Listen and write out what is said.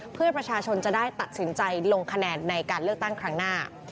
เพื่อประชาชนจะได้ตัดสินใจลงคะแนนในการเลือกตั้งครั้งหน้า